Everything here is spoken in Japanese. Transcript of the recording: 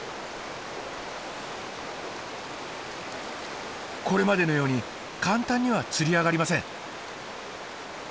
これまでのように簡単には釣り上がりません。